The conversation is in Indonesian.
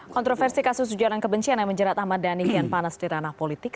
kontroversi kasus ujaran kebencian yang menjerat ahmad dhani kian panas di ranah politik